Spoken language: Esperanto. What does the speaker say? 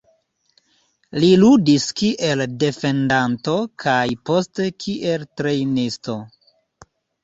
Li ludis kiel defendanto kaj poste kiel trejnisto.